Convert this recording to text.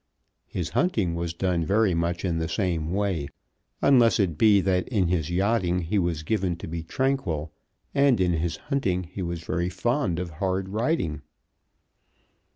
His hunting was done very much in the same way, unless it be that in his yachting he was given to be tranquil, and in his hunting he was very fond of hard riding.